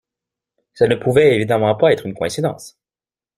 Ça ne pouvait évidemment pas être une coïncidence.